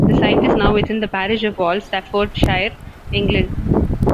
The site is now within the parish of Wall, Staffordshire, England.